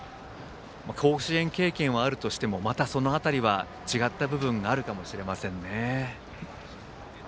甲子園経験はあるとしてもまた、その辺りは違った部分があるかもしれません。